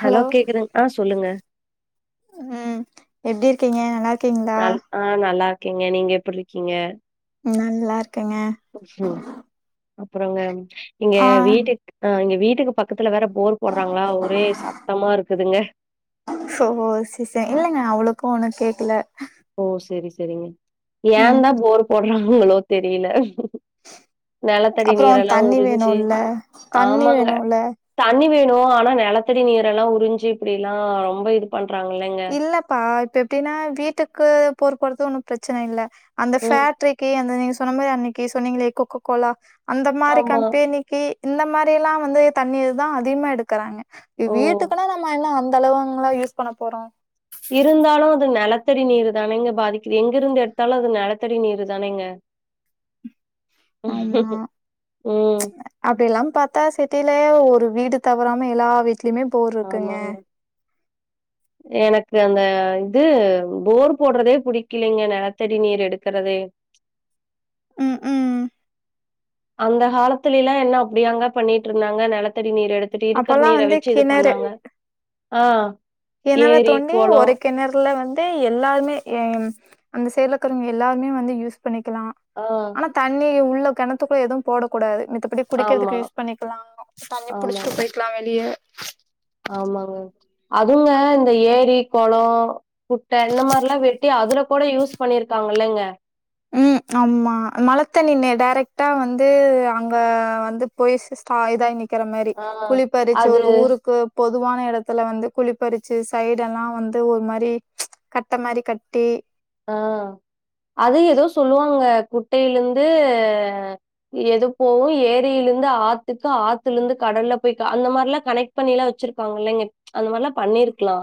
Hello கேக்குதுங்ளா சொல்லுங்க ம் எப்டி இருக்கீங்க நல்லாருக் நல் ஆ நல்லா இருக்கேங்க நீங்க எப்டி இருக்கீங்க நல்லா இருக்கேங்க அப்பறோங்க இங்க ஆ வீட்டுக் அ இங்க வீட்டுக்கு பக்கத்துல வேற போர் போட்றாங்களா ஒரே சத்தமா இருக்குதுங்க சோ சி ச இல்லங்க அவ்ளொக்கு ஒன்னு கேக்ல ஓ செரி செரிங்க ஏன்ந்தா போர் போட்றாங்களோ தெரியல நெலத்தடி அப்புறோ நீரெல்லா தண்ணி உறிஞ்சி வேணுல்ல தண்ணி ஆமாங்க வேணுல்ல தண்ணி வேணு ஆனா நெலத்தடி நீரல்லா உறிஞ்சி இப்டிலா ரொம்ப இது பண்றாங்க இல்லங்க இல்லப்பா இப்ப எப்டின்னா வீட்டுக்கு போரு போடுறது ஒன்னும் பிரச்சன இல்ல அந்த ம் ஃபேக்ட்ரிக்கு அந்த நீங்க சொன்ன மாரி அன்னைக்கு சொன்னீங்களே கொக்க கோலா அந்த மாரி ஆமா கம்பேனி கே இந்த மாரி எல்லா வந்து தண்ணீர் தா அதிகமா எடுக்கறாங்க ஓ வீட்டுக்குன்னா நம்ம எல்லா வந் தெலவங்களா யூஸ் பண்ண போறோ இருந்தாலு அது நெலத்தடி நீரு தானேங்க பாதிக்குது எங்க இருந்து எட்த்தாலு அது நெலத்தடி நீரு தானேங்க அ ஆமா ம் அப்படிலம் பாத்தா சிட்டிலயே ஒரு வீடு தவறாம எல்லா வீட் திலயுமே போர் இருக்குங்க. ஆமா எனக்கு அந்த இது போர் போடுறதே புடிக்கலிங்க நெலத்தடி நீர் எடுக்குறதே ம் ம் அந்த காலத்துல்லா என்ன அப்டியாங்க பண்ணிட்ருந்தாங்க நெலத்தடி நீர் எடுத் துட்டு இருக்கிற அப்பல்லாம் நீர வந்து வச்சு இது கிணறு பண்ணாங்க ஆ கிணற ஏரி தோண்டி கொள ஒரு கிணறுல வந்து எல்லாருமே அ அந்த சைட்ல இருக்கறவங்க எல்லாருமே வந்து யூஸ் பண்ணிக்கலா ஆ ஆனா தண்ணி உள்ள கெணத்துக்குள்ள எதுவு போடக்கூடாது மித்தபடி ஆமா குடிக்கிறதுக்கு யூஸ் பண்ணிக்கலா தண்ணி ஆமாங்க புடிச்சிட்டு போய்க்கலா வெளிய ஆமாங்க அதுங்க இந்த ஏரி கொளோ குட்ட இந்த மாறிலா வெட்டி அதுல கூட யூஸ் பண்ணிருக்காங்கல்லங்க ம் ஆமா மழ தண்ணி டேரெக்டா வந்து அங்க வந்து போய் சிஸ்டு இதாய் நிக் குற‌ மாரி ஆ குழி பறிச்சு அது ஒரு ஊருக்கு பொதுவான எடத்துல வந்து குழிப்பறிச்சு சைடெல்லா வந்து ஒரு மாறி கட்ட மாறி கட்டி ஆ அது ஏதோ சொல்லுவாங்க குட்டையிலுந்து எது போவு ஏரில இந்து ஆத்துக்கு ஆத்துல இந்து கடல்ல போய் அந்த மாறிலா கனெக்ட் பண்ணிலா வச்சிருக்காங்க இல்லங்க அந்த மாறிலா பண்ணிருக்கலா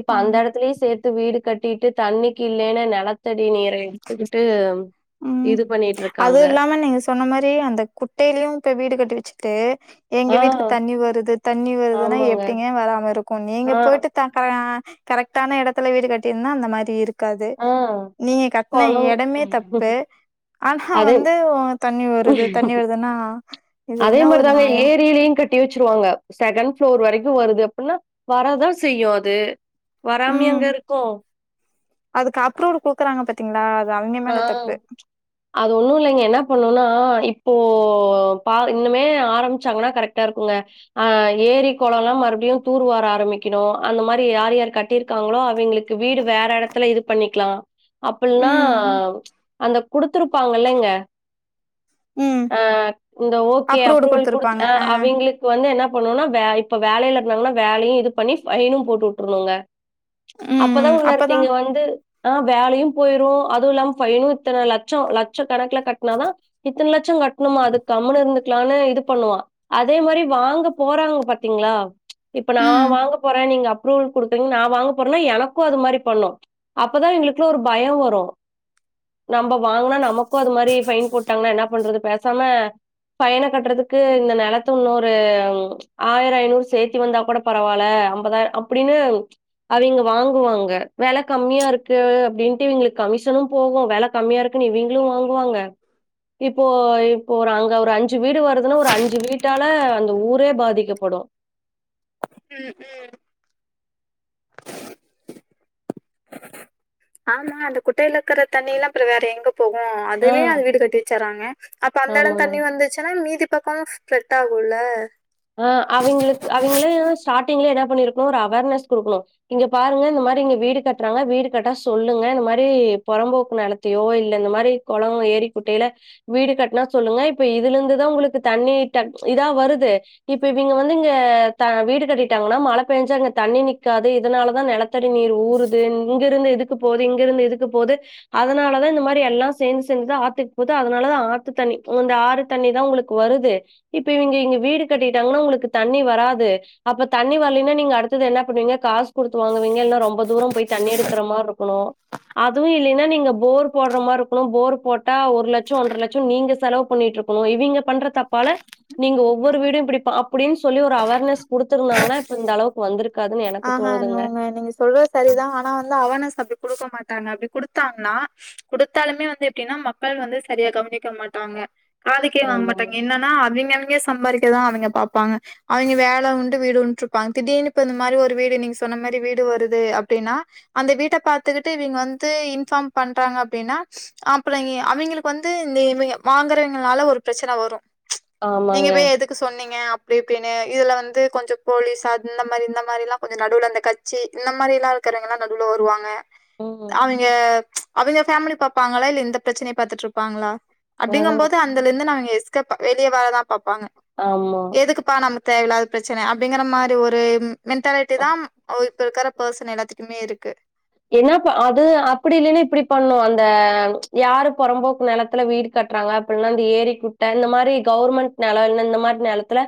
இப்ப அந்த ஆமா. எடத்துலயே சேத்து வீடு கட்டிட்டு தண்ணி க்கு இல்லைன்னா நிலத்தடி நீர எடுத்துக்கிட்டு ம் இது பண்ணிட்டு அது இருக்காங்க. இல்லாம நீங்க சொன்ன மாறி அந்த குட்டையிலயும் இப்ப வீடு கட்டி வச்சு கிட்டு எங்க ஆ, வீட்டுக்கு தண்ணி வருது தண்ணி வருதுன்னா ஆமாங்க. எப்டிங்க வராம இருக்கு நீங்க ஆ, போயிட்டு [unintelligible] கரெக்டான எடத்துல வீடு கட்டிருந்தா அந்த மாறி இருக் க்காது ஆ நீங்க கட்டின எடமே தப் ம் ஆஹா வந்து தண்ணி வருது தண்ணி வருதுன்னா இது அதே என்ன மாரி ஒரு தாங்க நியாயோ ஏரியிலயும் கட்டி வச்சருவாங்க செகண்ட் ஃப்ளோர் வரைக்கு வருது அப்பின்னா வரதா செய்யு அது ம் வராம்மையாங்க இருக்கு அதுக்கு அப்ரூடு குடுக்குறாங்க பாத்தீங்ளா அது அவிங்க மேல ஆ. தப்பு அது ஒன்னு இல்லைங்க என்ன பண்ணுன்னா இப்போ பா இன்னுமே ஆரம்பிச்சாங்கன்னா கரெக்டா இருக்குங்க ஆ ஏரி கொளல்லா மறுபடியு தூர்வார ஆரம்பிக்கணு அந்த மாரி யார் யார் கட்டிருக் காங்களோ அவேங்களுக்கு வீடு வேற எடத்துல இது பண்ணிக்லா அப்பின்னா ம் அந்த குடுத்துருப்பாங்காகில்லங்க ம் அ இந்த ஓகே அப்ரூவ்டு அப்ரூவல் குடுத் குடுத்துருப்பாங்க ஆ அ அவங்களுக் இப்ப வந்து என்ன பண்ணுன்னா வே இப்ப வேலையில இருந்தாங்கன்னா வேலையு இது பண்ணி ஃபைனு போட்டு வுட்ருனுங்க அப்பதா உன்னருத்தி இங்க வந்து ஆ வேலையு போயிரு அதுவு இல்லாம ஃபைனு இத்தன லட்சோ லட்ச கணக்குல கட்னாதா இத்தன லட்சோ கட்ணுமா அதுக்கு கம்னு இருந்துகலான்னு இது பண்ணுவா அதே மாரி வாங்க போறாங்க பாத்தீங்ளா இப்ப நா ம் வாங்க போறே நீங்க அப்ரூவல் குடுத்தீங்க நா வாங்க போறேன்னா எனக்கு அது மாரி பண்ணு அப்பதா இங்களுக்குள்ள ஒரு பய வரு நம்ம வாங்குனா நமக்கு அது மாரி ஃபைன் போட்டாங்கன்னா என்ன பண்றது பேசாம ஃபைன கட்டுறதுக்கு இந்த நெலத்து இன்னொரு ஆயிரம் ஐநூறு சேத்தி வந்தா கூட பரவால்ல அம்பதா அப்டின்னு அவேங்க வாங்குவாங்க வெல கம்மியா இருக்கு அப்டின்ட்டு இவங்களுக்கு கமிஷ் னு போகும் வெல கம்மியா இருக்குனு இவங்களு வாங்குவாங்க இப்போ இப்போ ஒரு அங்க ஒரு அஞ்சு வீடு வருதுன்னா ஒரு அஞ்சு வீட்டால அந்த ஊரே பாதிக்கப்படு ம் ம் ஆமா அந்த குட்டையில இருக்கற தண்ணி எல்லா அப்பற வேற எங்க போகு ஆ. அதுலே அது வீடு கட்டி வச்சுறாங்க அப்ப அந்த எடோ ஆமாங்க. தண்ணி வந்துச்சுன்னா மீதி பக்கோமு செட் ஆகுல்ல அ அவைங்களுக்கு அவைங்ளே ஸ்டார்டிங்லே என்ன பண்ணிருக்னு ஒரு அவேர்னஸ் குடுக்கணு இங்க பாருங்க இந்த மாரி இங்க வீடு கட்டுறாங்க வீடு கட்டா சொல்லுங்க இந்த மாரி பொறம்போக்கு நெலத் தையோ இல்ல இந்த மாரி கொளோ ஏரி குட்டையில வீடு கட்னா சொல்லுங்க இப்ப இதுலந்துதா உங்களுக்கு தண்ணி டக் இதா வருது இப்ப இவேங்க வந்து இங்க தா வீடு கட்டிட்டாங்கன்னா மழ பெஞ்சா இங்க தண்ணி நிக்காது இதனால தா நெலட் த் த்தடி நீர் ஊறுது இங்கிருந்து இதுக்கு போது இங்கிருந்து இதுக்கு போது அதனால தா இந்த மாரி எல்லா சேந்து சேந்து ஆத்துக்கு போது அதனால தா ஆத்து தண்ணி இந்த ஆறு தண்ணி தா உங்களுக் வருது இப்ப இவங்க இங்க வீடு கட்டிட்டாங்கன்னா உங்களுக்கு தண்ணி வராது அப்ப தண்ணி வரலைன்னா நீங்க அடுத்தது என்ன பண்ணுவீங்க காசு குடுத்து வாங்குவீங்க இன்னா ரொம்ப தூரோ போய் தண்ணி எடுக்கற மாரி இருக்கனு அதுவு இல்லைன்னா நீங்க போர் போடுற மாரி இருக்கனு போர் போட்டா ஒரு லட்சோ ஒன்ற லட்சோ நீங்க செலவு பண்ணிட்டுருக் க்குனு இவங்க பண்ற தப்பால நீங்க ஒவ்வொரு வீடு இப்டி அப்டின்னு சொல்லி ஒரு அவேர்னஸ் குடுத்திருந்தாங்கன்னா இப்ப இந்த அளவுக்கு வந்திருக்காது அ ஹா நோங்க நீங்க சொல்ற து சரிதா ஆனா வந்து அவார்னஸ் அப்டி குடுக்க மாட்டாங்க அப்டி குடுத்தாங்னா குடுத்தாலுமே வந்து எப்டின்னா மக்கள் வந்து சரியா கவனிக்க மாட்டாங்க காதுக்கே வாங்க ஆமாங்க. மாட்டாங்க என்ன னா அவிங்க அவிங்க சம்பாரிக்கதா அவிங்க பாப்பாங்க அவிங்க வேல உண்டு வீடு உண்ட் ருப்பாங்க திடீர்னு இப்ப இந்த மாரி ஒரு டு வீடு நீங்க சொன்ன மாரி வீடு வருது அப்டின்னா அந்த வீட்ட பாத்துக்கிட்டு இவிங்க வந்து இன்ஃபார்ம் பண்றாங்க அப்டின்னா அப்றோ அவிங்களுக்கு வந்து இந்த இவைங்க வாங்கறவைங்கனால ஒரு பிரச்சன வரு ப்ச் நீங்க ஆமாங்க. போய் எதுக் கு சொன்னீங்க அப்டி இப்டின்னு இதுல வந்து கொஞ்சோ போலீஸ் அந்த மாரி இந்த மாரில்லா கொஞ்சோ நடுவுல அந்த கட்சி இந்த மாரில்லா இருக்கறவைங்கல்லா நடுவுல வருவாங்க ம். அவைங்க அவிங்க ஃபேமிலிய பாப்பாங்ளா இல்ல இந்த பிரச்சனய பாத்துட்டு இருப்பாங்ளா அப்டிங்கம் அதாங்க. போது அந் அதுல இருந்து நாங்க எஸ்கேப் வெளிய வரதா பாப்பாங்க ஆம்மா எதுக்குப்பா நம்ம தேவயில்லாத பிரச்சன அப்டிங்கிற மாரி ஒரு மென்டாலிட்டி தாம் இப்ப இருக்கற பர்சன் எல்லாத்துக்குமே இருக்கு என்னப்பா அது அப்டி இல்லினா இப்டி பண்ணோ அந்த யாரு பொறம்போக்கு நெலத்துல வீடு கட்றாங்க அப்புல்லா இந்த ஏரி குட்ட இந்த மாரி கவர்மெண்ட் நெலோ இல்ல இந்த மாரி நெலத்துல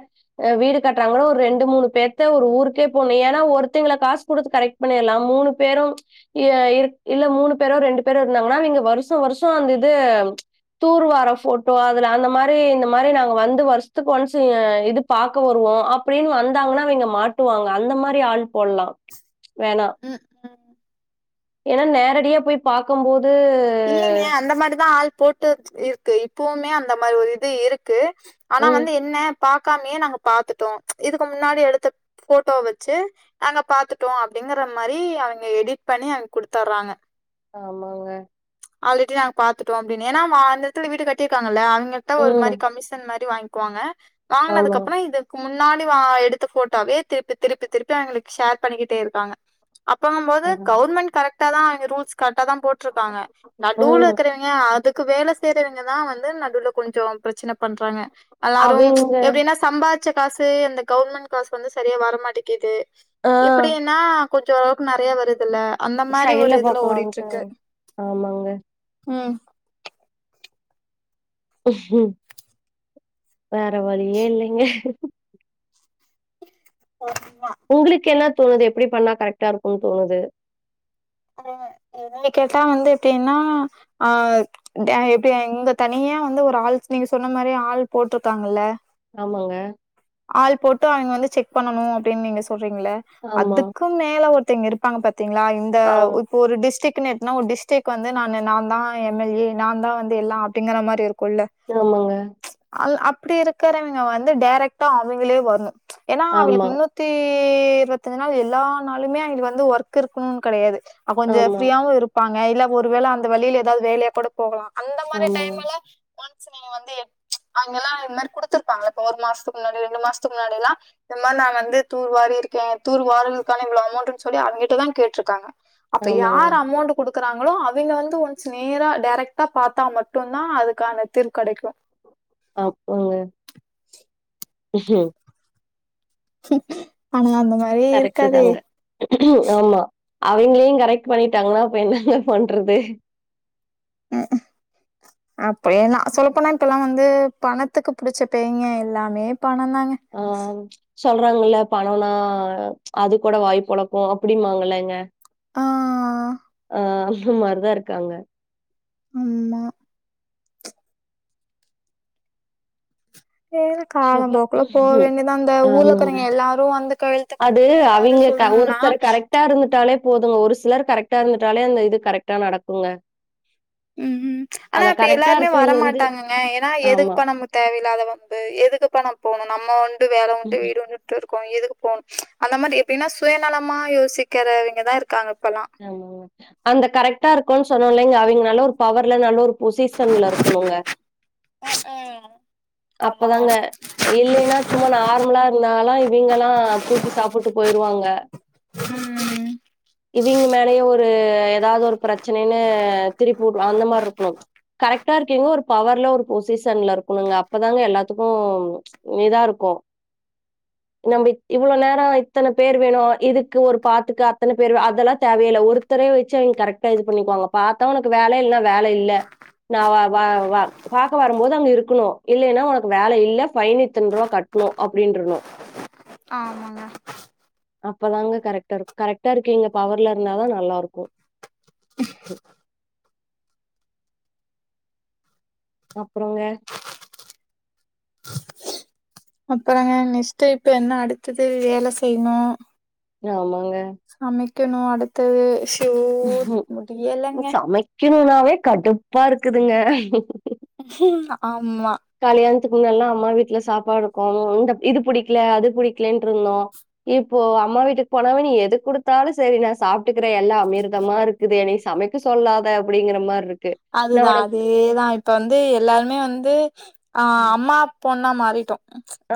அ வீடு கட்டுறாங்கனா ஒரு ரெண்டு மூணு பேத்த ஒரு ஊருக்கே போன்னோ ஏன்னா ஒருத்தைங்கள காசு குடுத்து கரெக்ட் பண்ணிற்லா மூணு பேரு எ இரு இல்ல மூணு பேரோ ரெண்டு பேரோ இருந்தாங்ன்னா இங்க வருஷோ வருஷோ அந்த இது தூர்வார ஃபோட்டோ அதுல அந்த மாரி இந்த மாரி நாங்க வந்து வர்ஷத்துக்கு ஒன்ஸ் அ இதுப் பாக்க வருவோ அப்டின் வந்தாங்கன்னா அவிய்ங்க மாட்டுவாங்க அந்த மாரி ஆள் போல்லா வேனா ம் ம் ஏனா நேரடியா போய் பாக்கும் போது இல்லைங்க அந்த மாரிதா ஆள் போட்டு இருக்கு இப்பவுமே அந்த மாரி ஒரு இது இருக்கு ஆனா ம் வந்து என்ன பாக்காமயே நாங்க பாத்துட்டோ இதுக்கு முன்னாடி எடுத்த ஃபோட்டோ வெச்சு நாங்க பாத்துட்டோ அப்டிங்கற மாரி அவைங்க எடிட் பண்ணி அவைங்க குடுத்தறாங்க ஆமாங்க ஆல்ரெடி நாங்க பாத்துட்டோ அப்டின்னு ஏன்னா அந்தெடத்துல வீடு கட்டிருக்காங்கல்ல அவங்கெட்ட ஒரு ம் மாரி கமிஷன் மாரி வாங்கி க்குவாங்க வாங்குனதுக்கு ஆமாங்க. அப்புறோ இது முன்னாடி வா எடுத்த ஃபோட்டோவே திருப்பி திருப்பி திருப்பி அவிங்குளுக்கு ஷேர் பண்ணிக்கிட்டே இருக்காங்க அப்பங்கம் போது ஆமாங்க. கவர்மெண்ட் கரெக்டா தா அவங்க ரூல்ஸ் கரெக்ட தா போட்டிருக்காங்க நடுவுல ம் இருக்கறவைங் க அதுக்கு வேல செய்றவங்கதா வந்து நடுல கொஞ்சோ பிரச்சன பண்றாங்க எல்லாரும் அவிங்க எப்புடின்னா சம்பாதிச்ச காசு அந்த கவுவர்மெண்ட் காசு வந்து சரியா வரமாட்டேக்கிது ஆ இப்டின்னா கொஞ்ச ஒரளவுக்கு நெறைய வருது இல்ல அந்த மாரி ஒரு சைடுல இதுல பாக்கலான்ட்டு ஓடிட்டுட்ருக்கு ஆமாங்க ம் ம் வேற வழியே இல்லைங்க [unintelligible] உங்குளுக்கு என்னா தோணுது எப்புடி பண்ணா கரெக்டா இருக்கும்னு தோணுது அ அ என்னைய கேட்டா வந்து எப்டின்னா அ அ எப்டி எங்க தனியா வந்து ஒரு ஆள் நீங்க சொன்ன மாரியே ஆள் போட்டிருக்காங்கல்ல ஆமாங்க ஆள் போட்டு அவைங்க வந்து செக் பண்ணணு அப்டின்னு நீங்க சொல்றீங்கள்ல ஆமா. அதுக்கும் மேல ஒருத் ஒருத்தைவிங்க இருப்பாங்க பாத்தீங்ளா இந்த ஆம். உத் இப்ப ஒரு டிஸ்டிக்கு எடுத்தோனா ஒரு டிஸ்ட்டிக்கு வந்து நானூ நா தா எம் எல் ஏ நா தா வந்து எல்லா அப்டிங்கிற மாரி இருக்குல்ல ஆமா அ அப்புடி இருக்கறவங்க வந்து டைரக்ட்டா அவுங்களே வர்ணு ஏன்னா அவுங்களுக்கு ஆமா. முன்னுத் த்தி இருவத்தஞ்சி நாள் எல்லா நாளுமே அவிங்களுக்கு வந்து ஒர்க் இருக்கணும்னு கெடையாது கொஞ்சோ ஆமா. ஃப்ரீயவு இருப்பாங்க இல்ல ஒரு வேல அந்த வழியில ஏதாது வேலையா கூட போகலா அந்த மாரி ஆமாங்க. டைம் எல்லா ஒன்ஸ் நீங்க வந்து எத் அங்க எல்லா இந்த மாரி குடுத்திருப்பாங்கல்ல இப்ப ஒரு மாசத்துக்கு முன்னாடி ரெண்டு மாசத்துக்கு முன்னாடில்லா இந்த மாரி நா வந்து தூர் வாரி இருக்கே தூர்வார்றதுக்கான இவ்ளோ அமௌன்ட்டுன்னு சொல்லி அவேங்ககிட்டதா கேட்டிருப் கா அப்போ ஆமாங்க. யார் அமௌன்ட் குடுக்குறாங்களோ அவிங்க வந்து ஒன்ஸ் நேரா டைரக்டா பாத்தா மட்டுந் தா அதுக்கான தீ்ர்வு கெடைக்கு அப்பாங்க ஆனா அந்த மார் கரெக்ட்டு தாங்க ஆமா அவிங்களையு கரெக்ட் பண்ணிட்டாங்கன்னா அப்ப என்னங்க பண்றது ஆ அப்பயே நா சொல்லப்போனா இப்பல்லா வந்து பணத்துக்கு புடிச்ச பேயிங்க எல்லாமே பணோ தாங்க ஆமாங்க சொல்றாங்கல்ல பணோன்னா அது கூட வாய்பொளக்கு அப்டிமாங்கல்லங்க ஆ ஆ அந்த மாரிதா இருக்காங்க ஆமா சேரி ஷொபா காலம்போக்குல போ வேண்டிதா இந்த ஆமாங்க ஊர்லக்கறவங்க எல்லாரு வந்து கையெழுத்து அது போட்ணும்னு எல்லாரு அவிங்க க சொல்ணும்னா ஒருத்தர் கரெக்டா இருந்துட்டாலே போதுங்க ஒரு சிலர் கரெக்டா இருந்துட்டாலே அந்த இது கரெக்டா நடக்குங்க ம் ம் ஆனா அந்த இப்ப கரெக்டா எல்லாருமே இருக்கவிங்க வந்து வரமாட்டாங்கங்க ஏன்னா எதுக்கு ஆமா பணோ முக் தேவையில்லாத வம்பு எதுக்குப்ப நா போணு நம்ம உண்டு வேல உண்டு ம் வீடு உண்டு இன்டு இருக்கோ எதுக்கு போணு அந்த மாரி எப்டின்னா சுயநலமா யோசிக்கிறவங்கதா இருக்காங்க இப்பல்லா ஆமாங்க அந்த கரெக்ட்டா இருக்கோன் சொன்னோம் இல்லைங்க அவிங்க நல்ல ஒரு பவர்ல நல்ல ஒரு பொசிஷன்ல இருக்கணுங்க அக் ஆ அப்பதாங்க இல்லைன்னா சும்மா நார்மலா இருந்தாலா இவிங்கள்லா தூக்கி சாப்புட்டு போயிருவாங்க ம் இவிங்க மேலயே ஒரு ஏதாவது ஒரு பிரச்சனைன்னு திருப்பி உட்னு அந்த மாரி இருக்கணு கரெக்டா இருக்கீங்க ஒரு பவர்ல ஒரு பொசிஷன்ல இருக்கணுங்க அப் அப்பதாங்க எல்லாத்துக்கு இதா இருக்கு நம்பி இவ்ளோ நேரோ இத்தன பேர் வேணு இதுக்கு ஒரு பாத்துக்க அத்தன பேர் அதெல்லா தேவையே இல்ல ஓரு ஒருத்தரே வெச்சி இவுங்க கரெக்டா இது பண்ணிக்குவாங்க பாத்தா உனக்கு வேல இல்ல வேல இல்ல நா வா வா வா பாக்க வரும்போது அங்க இருக்கணு இல்லன்னா உனக்கு வேல இல்ல ஃபைன் இத்தன் ரூபா கட்ணு அப்டி இன்றனு ஆமாங்க அப்பதாங்க கரெக்டா இருக்கு கரெக்டா இருக்கீங்க பவர்ல இருந்தாதா நல்லா இருக்கு அப்றோங்க அப்புறங்க நெஸ்ட் இப்ப என்ன அடுத்தது வேல செய்யணு ஆமாங்க சமைக்கணு அடுத்தது ஷோ ம் முடியலங்க. சமைக்கணுனாவே கடுப்பா இருக்குதுங்க ம் ஆம்மா கல்யாணத்துக்கு முன்னலா அம்மா வீட்ல சாப்பாடுருக்கு இந்த இது புடிக்கல அது புடிக்கலன்ட்டிருந்தோ இப்போ அம்மா வீட்டுக்கு போனவே நீ எது குடுத்தாலு சரி நா சாப்ட்டுக்கறே எல்லா அமிர்தமா இருக் குது என்ன நீ சமைக்க சொல்லாத அப்டிங்கற மாரி இருக்கு நா அதுதா உனக்கு அதேதா இப்ப வந்து எல்லாமே வந்து ஆ அம்மா பொண்ணா மாறிட்டோ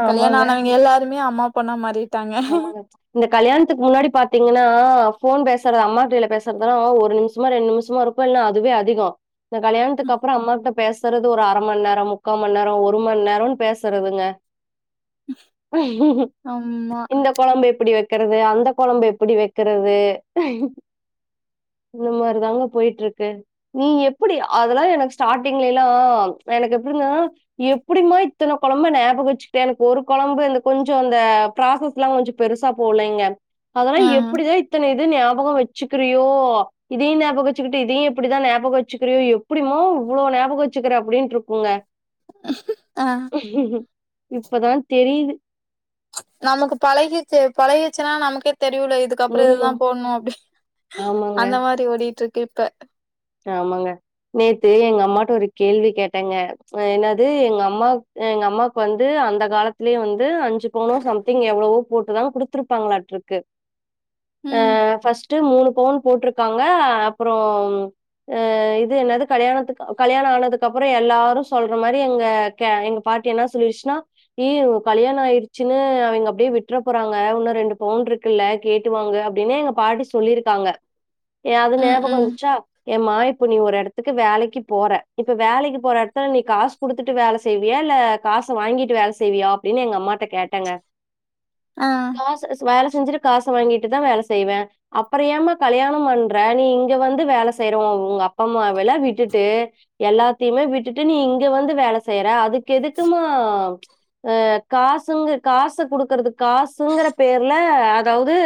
கல்யாண ஆமாங்க ஆனவங்க எல்லாருமே அம்மா பொண்ணா மாறிட்டோ ஆமாங்க இந்த கல்யாணத்துக்கு முன்னாடி பாத்தீங்கனா ஃபோன் பேசுறது அம்மா கைல பேசுறதல்லா ஒரு நிமிஷமோ ரெண்டு நிமிஷமோ இருக்கு இப்பல்லா அதுவே அதிகோ இந்த கல்யாணத்துக்கு அப்றோ அம்மா கிட்ட பேசறது ஒரு அர மண்நேரோ முக்கா மண்நேரோ ஒருமண்நேரம்னு பேசறதுங்க அம்மா கொழம்பு எப்டி வெக்கறது அந்த கொழம்பு எப்டி வெக்கறது இந்த மாரிதாங்க போயிட்டிருக்கு நீ எப்டி அதெல்லா எனக்கு ஸ்டார்ட்டிங்லல்லா எனக்கு எப்டின்னா எப்டிம்மா இத்தன கொழம்ப ஞாபக வெச்சுக்கிட்ட எனக்கு ஒரு கொழம்பு இந்த கொஞ்ச இந்த ப்ராசஸ்லா கொஞ்ச பெருசா போவலங்க அதெல்லா ஆ எப்டிதா இத்தன இது ஞாபக வெச்சுக்கிறியோ இதயு ஞாபக வெச்சிக்கிட்டு இதையு எப்டிதா ஞாபக வெச்சிகிறியோ எப்டிம்மா இவ்ளோ ஞாபக வெச்சிகிற அப்டின்ருக்குங்க ஆ இப்பதா தெரிது நமக்கு பழகிச்சி பழகிச்சுனா நமக்கே தெரியுல இது அதுக்குப்றோ இதுதா ம். போடணு அப்டி ஆமாங்க. அந்த மாரி ஓடிட்டுருக்கு இப்ப ஆமாங்க நேத்து எங்க அம்மாட்ட ஒரு கேள்வி கேட்டங்க என்னது எங்கம்மா எங்கம்மாக்கு வந்து அந்த காலத்திலயே வந்து அஞ்சு அஞ்சு பவுனோ சம்திங் எவ்ளவோ போட்டுதா குடுத்திருப்பாங்களாட்டுக்கு ம் ஃபஸ்ட் மூணு பவுன் போட்டிருக்காங்க அப்றோ அ இது என்னது கல்யாணத்துக்கு கல்யாண ஆனதுக்கு அப்றோ எல்லாரு சொல்ற மாரி எங்க எங்க பாட்டி என்ன சொல்லிச்சுனா ஏ கல்யாண ஆயிடுச்சுன்னு அவிங்க அப்டியே விட்ற போறாங்க உன்னு ரெண்டு பவுண் இருக் இல்ல கேட்டுவாங்கு அப்டின்னு எங்க பாட்டி சொல்லிருக்காங்க ஏ அது ம் ஞாபகம் ம் வந்ச்சா ஏ மக இப்ப நீ ஒரு இடத்துக்கு வேலைக்கு போறே இப்ப வேலைக்கு போற இடத்துல நீ காஸ் குடுத்துட்டு வேல செய்வியா இல்ல காஸ வாங்கிட்டு வேல செய்வியா அப்டின்னு எங்கம்மாட்ட கேட்டங்க ஆ வேல செஞ்சுட்டு காச வாங்கிட்டுதா வேல செய்வே அப்பற ஏம்மா கல்யாண பண்ற நீ இங்க வந்து வேல செய் செய்றோ உங்கப்பா அம்மாவல்லா விட்டுட்டு எல்லாத்தையுமே விட்டுட்டு நீ இங்க வந்து வேல செய்ற அதுக்கு எதுக்குமா ஆ காசுங்க காசு குடுக்குறது காசுங்கற பேர்ல அதாவ்து